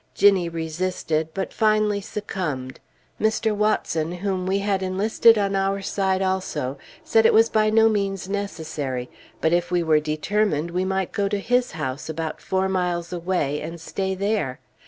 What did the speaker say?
Ginnie resisted; but finally succumbed. Mr. Watson, whom we had enlisted on our side also, said it was by no means necessary, but if we were determined, we might go to his house, about four miles away, and stay there.